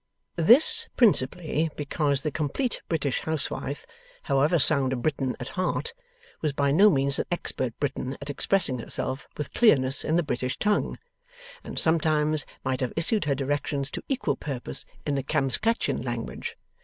This, principally because the Complete British Housewife, however sound a Briton at heart, was by no means an expert Briton at expressing herself with clearness in the British tongue, and sometimes might have issued her directions to equal purpose in the Kamskatchan language.